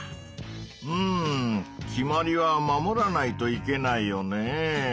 うん決まりは守らないといけないよね。